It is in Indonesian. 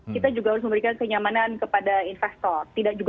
kita juga harus memberikan kenyamanan kepada investor